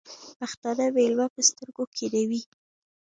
پښتانه مېلمه په سترگو کېنوي.